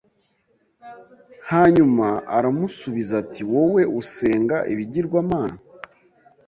hanyuma aramusubiza ati wowe usenga ibigirwamana